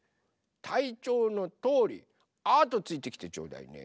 たいちょうのとおりあとついてきてちょうだいね。